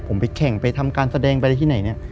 ผมไปแข่งไปทำการแสดงไปได้ที่ไหน